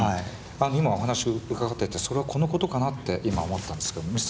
今お話を伺っててそれはこのことかなって今思ったんですけどＭｒ．Ｃｈｉｌｄｒｅｎ